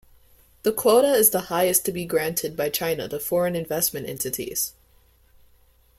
The quota is the highest to be granted by China to foreign investment entities.